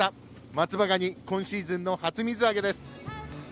松葉ガニ今シーズンの初水揚げです。